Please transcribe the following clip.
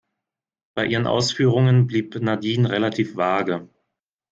Bei ihren Ausführungen blieb Nadine relativ vage.